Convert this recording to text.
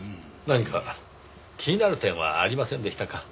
何か気になる点はありませんでしたか？